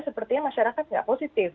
sepertinya masyarakat nggak positif